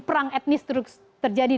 perang etnis terus terjadi